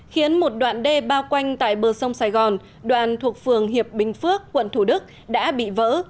khiến một đoạn đê bao quanh tại bờ sông sài gòn đoạn thuộc phường hiệp bình phước quận thủ đức đã bị vỡ